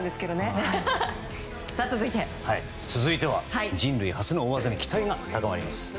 続いては人類初の大技に期待が高まります。